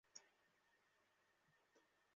না, এজরা!